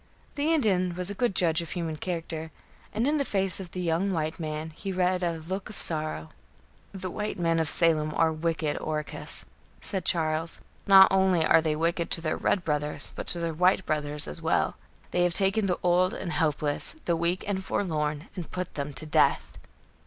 The Indian was a good judge of human character, and in the face of the young white man he read a look of sorrow. "The white men of Salem are very wicked, Oracus," said Charles. "Not only are they wicked to their red brothers, but to their white brothers, as well. They have taken the old and helpless, the weak and forlorn, and put them to death."